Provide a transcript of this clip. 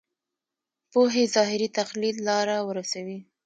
پوهې ظاهري تقلید لاره ورسوي.